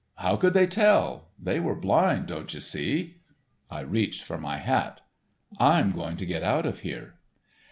How could they tell, they were blind, don't you see." I reached for my hat. "I'm going to get out of here."